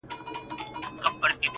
o خواره وږې، څه به مومې د سوى د سږې!